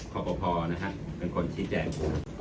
ครับก็พอนะฮะเดี๋ยวกับคนชี้แจก